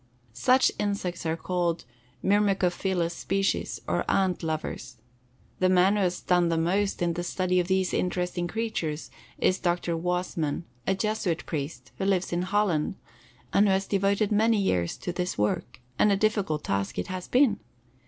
Such insects are called "myrmecophilous species" or "ant lovers." The man who has done the most in the study of these interesting creatures is Dr. Wasmann, a Jesuit priest, who lives in Holland, and who has devoted many years to this work, and a difficult task it has been!